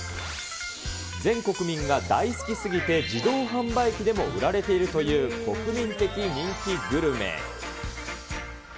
全国民が大好き過ぎて、自動販売機でも売られているという国民的人気グルメ。